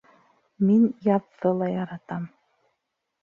Мин яҙҙы ла яратам